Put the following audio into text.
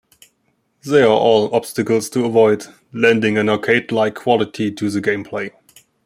They are all obstacles to avoid, lending an arcade-like quality to the gameplay.